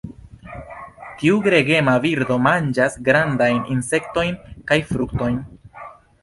Tiu gregema birdo manĝas grandajn insektojn kaj fruktojn.